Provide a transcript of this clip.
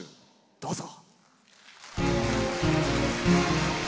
どうぞ。